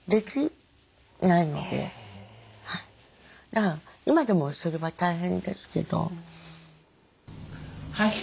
だから今でもそれは大変ですけど。